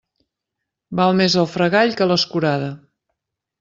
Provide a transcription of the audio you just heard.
Val més el fregall que l'escurada.